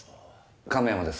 亀山です。